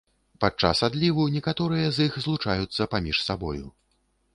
Падчас адліву некаторыя з іх злучаюцца паміж сабою.